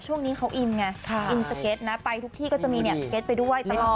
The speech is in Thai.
ช่วงนี้เขาอินไงอินสเก็ตนะไปทุกที่ก็จะมีเนี่ยเก็ตไปด้วยตลอด